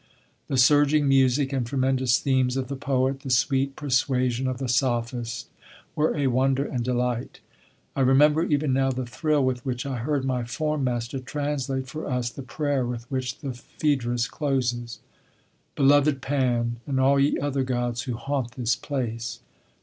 The surging music and tremendous themes of the poet, the sweet persuasion of the sophist were a wonder and delight. I remember even now the thrill with which I heard my form master translate for us the prayer with which the Phædrus closes: "Beloved Pan, and all ye other gods who haunt this place...."